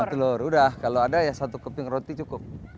telur udah kalau ada ya satu keping roti cukup